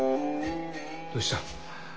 どうした？